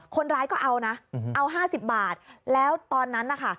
คนร้ายก็เอานะเอา๕๐บาทแล้วตอนนั้นนะคะ